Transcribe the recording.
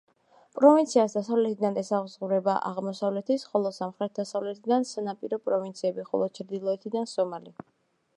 პროვინციას დასავლეთიდან ესაზღვრება აღმოსავლეთის, ხოლო სამხრეთ-დასავლეთიდან სანაპირო პროვინციები, ხოლო ჩრდილოეთიდან სომალი.